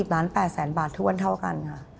๔๐ล้าน๘แสนบาททุกวันเท่ากันค่ะ